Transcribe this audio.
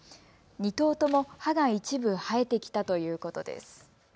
２頭とも歯が一部生えてきたということです。